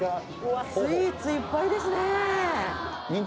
うわっスイーツいっぱいですね！